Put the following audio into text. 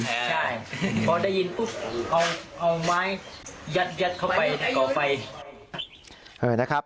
ใช่พอได้ยินปุ๊บเอาไม้ยัดเข้าไปก่อไฟนะครับ